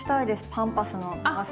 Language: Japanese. パンパスの長さ。